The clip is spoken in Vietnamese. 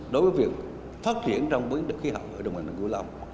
đối với việc phát triển trong biến đổi khí hạng ở đồng bằng sông kiểu long